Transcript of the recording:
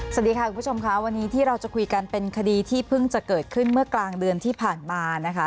สวัสดีค่ะคุณผู้ชมค่ะวันนี้ที่เราจะคุยกันเป็นคดีที่เพิ่งจะเกิดขึ้นเมื่อกลางเดือนที่ผ่านมานะคะ